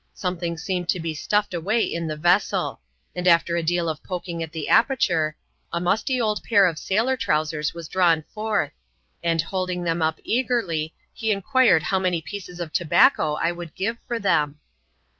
Something seemed to be stuffed away in the vessel ; and after a deal of poking at the aperture, a musty old pair of s&ilor trowsers was drawn forth ; and, holding them up eagerly, he inquired how many pieces of tobacco I would give for them